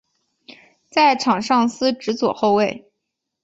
在场上司职左后卫。